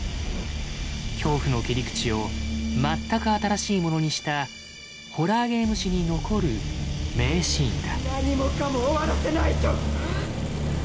恐怖の切り口を全く新しいものにしたホラーゲーム史に残る名シーンだ。